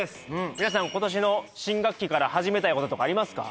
皆さん今年の新学期から始めたいこととかありますか？